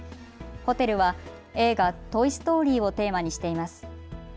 ホテルは映画、トイ・ストーリーをテーマにしています。